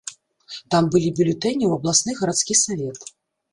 Там былі бюлетэні ў абласны і гарадскі савет.